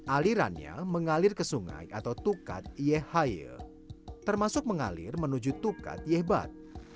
alirannya mengalir ke sungai atau tukat yehaye termasuk mengalir menuju tukat yebat